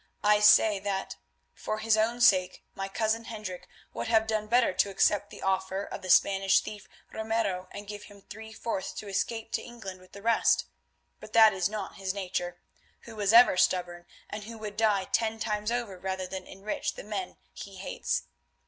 I say that, for his own sake, my cousin Hendrik would have done better to accept the offer of the Spanish thief Ramiro and give him three fourths and escape to England with the rest. But that is not his nature, who was ever stubborn, and who would die ten times over rather than enrich the men he hates.